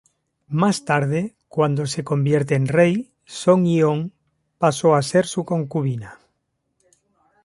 Más tarde, cuando se convierte en rey, Song Yeon, paso a ser su concubina.